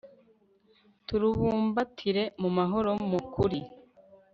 turubumbatire mu mahoro, mu kuri